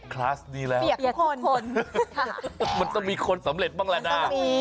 เปียกทุกคนมันต้องมีคนต้องมีคนมีคนสำเร็จบ้างนะ